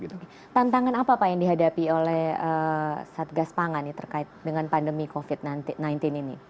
tantangan apa pak yang dihadapi oleh satgas pangan terkait dengan pandemi covid sembilan belas ini